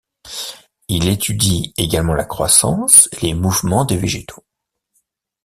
Il étudie également la croissance et les mouvements des végétaux.